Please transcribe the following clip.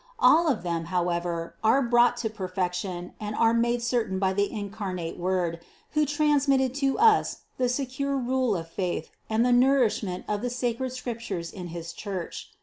All of them, however, are brought to perfection and are made certain by the incarnate Word, who transmitted to us the secure rule of faith and the nourishment of the sacred Scriptures in his Church.